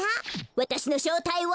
わたしのしょうたいは。